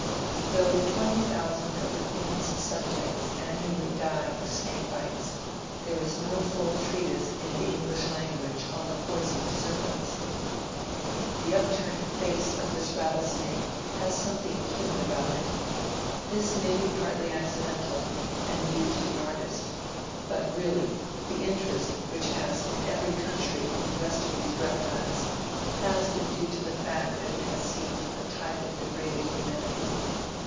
Though twenty thousand of the Queen's subjects annually die of snake bites, there is no full treatise in the EngUsh lan guage on the poison of serpents. The upturned face of this rattlesnake has something hu man about it. This may be partly accidental, and due to the artist ; but really, the interest which has in every country 122 MONCDRE DANIEL CONWAY invested these reptiles has been due to the fact that it has seemed a type of degraded humanity.